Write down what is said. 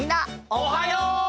おはよう！